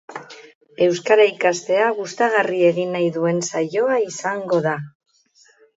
Euskara ikastea gustagarri egin nahi duen saioa izango da.